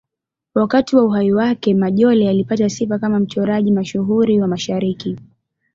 Wakati wa uhai wake, Majolle alipata sifa kama mchoraji mashuhuri wa Mashariki.